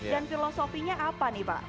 dan filosofinya apa nih pak